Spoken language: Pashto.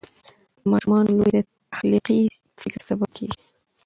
د ماشومانو لوبې د تخلیقي فکر سبب کېږي.